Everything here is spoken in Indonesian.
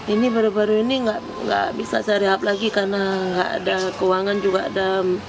ini baru baru ini nggak bisa cari up lagi karena nggak ada keuangan juga ada